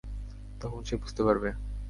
তখন সে বুঝতে পারবে।